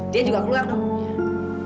dia juga keluar dong